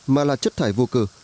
mà là chất thải vô cơ